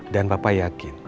dan papa yakin